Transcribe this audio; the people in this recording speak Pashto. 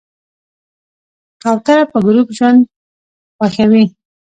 کوتره په ګروپ ژوند خوښوي.